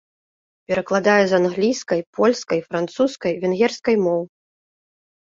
Перакладае з англійскай, польскай, французскай, венгерскай моў.